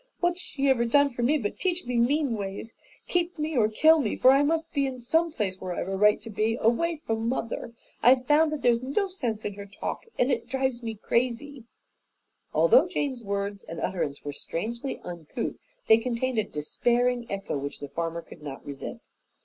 "What's she ever done for me but teach me mean ways? Keep me or kill me, for I must be in some place where I've a right to be away from mother. I've found that there's no sense in her talk, and it drives me crazy." Although Jane's words and utterance were strangely uncouth, they contained a despairing echo which the farmer could not resist.